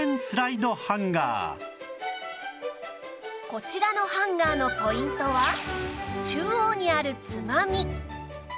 こちらのハンガーのポイントは中央にあるつまみ